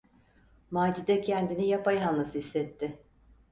Macide kendini yapayalnız hissetti.